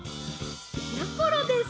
「やころです！